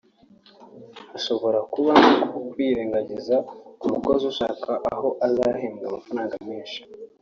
Hashobora kuba no kubyirengagiza ku mukozi ashaka aho azahembwa amafaranga menshi